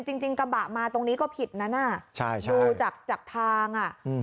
จริงจริงกระบะมาตรงนี้ก็ผิดนะน่ะใช่ใช่ดูจากจากทางอ่ะอือฮือ